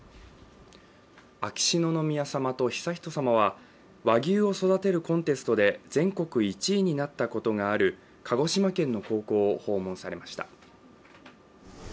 秋篠宮さまと悠仁さまは和牛を育てるコンテストで全国１位になったことがある鹿児島県の高校を訪問されました。